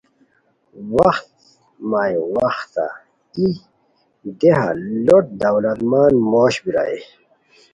وختہ مائی وختہ ای دیہا لوٹ دولت مند موش بیرائے